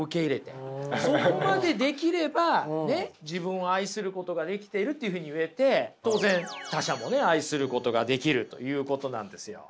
そこまでできればねっ自分を愛することができているっていうふうに言えて当然他者もね愛することができるということなんですよ。